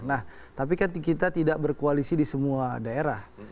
nah tapi kan kita tidak berkoalisi di semua daerah